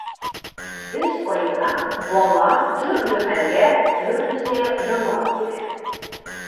Өс айҙа бала төрлө хәлгә төрлөсә яуап бирә.